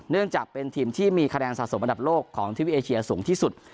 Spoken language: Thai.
เนื่องจากเป็นทีมที่มีคะแนนสะสมอันดับโลกของทีวีเอเชียสูงที่สุด